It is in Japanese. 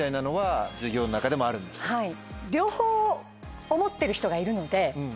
はい。